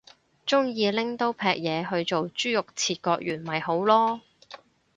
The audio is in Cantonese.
鍾意拎刀劈嘢去做豬肉切割員咪好囉